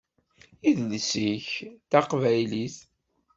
Idles-ik d taqbaylit.